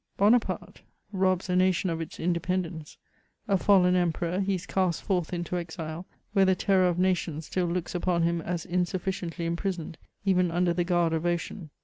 Bonaparte robs a nation of its independence ; a fallen emperor, he is cast forth into exile, where the terror of nations still looks upon him as insufficiently imprisoned, even imder the guard of ocean.